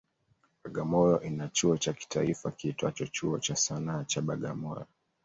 Bagamoyo ina chuo cha kitaifa kiitwacho Chuo cha Sanaa cha Bagamoyo.